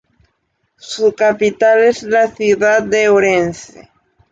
Su capital es la ciudad de Orense.